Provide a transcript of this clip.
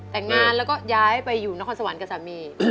แต่งงานแล้วก็ย้ายไปอยู่นครสวรรค์กับสามี